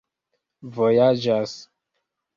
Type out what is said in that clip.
vojaĝas